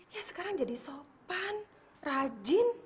ya sekarang jadi sopan rajin